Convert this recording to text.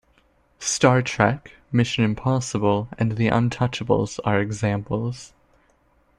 "Star Trek", "Mission Impossible", and "The Untouchables" are examples.